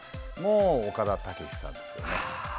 岡田武史さんですよね。